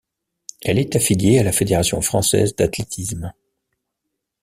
Elle est affilié a la Fédération Française d'Athlétisme.